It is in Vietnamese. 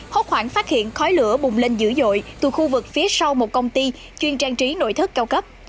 hốt khoảng phát hiện khói lửa bùng lên dữ dội từ khu vực phía sau một công ty chuyên trang trí nội thất cao cấp